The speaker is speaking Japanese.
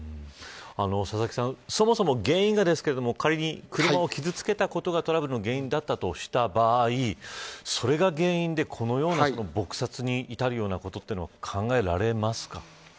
佐々木さん、そもそも原因がですけれども仮に車を傷つけたことがトラブルの原因だとした場合それが原因で、このような撲殺に至るようなことというのは考えられますか。